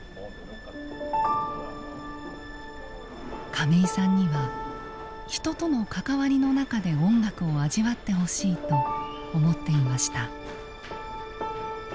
亀井さんには人との関わりの中で音楽を味わってほしいと思っていました。